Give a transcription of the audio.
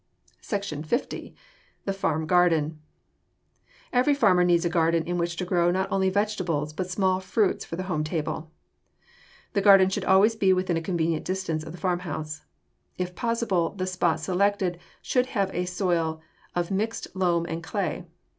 SECTION L. THE FARM GARDEN Every farmer needs a garden in which to grow not only vegetables but small fruits for the home table. The garden should always be within convenient distance of the farmhouse. If possible, the spot selected should have a soil of mixed loam and clay.